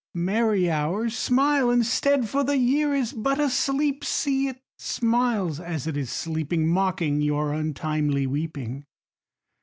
Merry Hours, smile instead, For the Year is but asleep. See, it smiles as it is sleeping, _5 Mocking your untimely weeping.